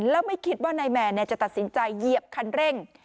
แล้วไม่คิดว่านายแมนจะตัดสินใจเหยียบคันเร่ง